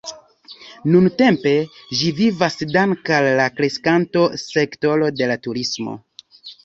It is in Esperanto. Nuntempe ĝi vivas danke al la kreskanta sektoro de la turismo.